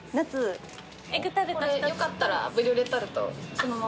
これよかったらブリュレタルトをそのまんま。